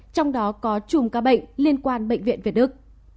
trong đó có chùm ca bệnh liên quan bệnh viện việt đức